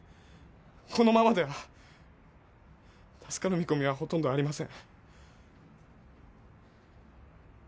このままでは助かる見込みはほとんどありません